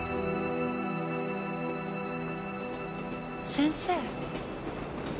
先生。